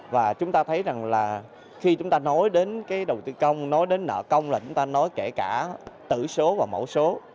và chúng ta thấy rằng là khi chúng ta nói đến cái đầu tư công nói đến nợ công là chúng ta nói kể cả tử số và mẫu số